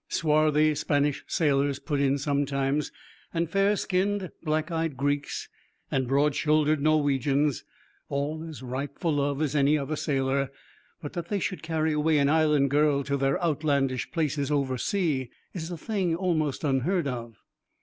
Swarthy Spanish sailors put in sometimes, and fair skinned, black eyed Greeks, and broad shouldered Norwegians, all as ripe for love as any other sailor, but that they should carry away an Island girl to their outlandish places over sea is a thing almost unheard of.